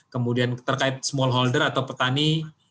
kemudian terkait small holder atau petani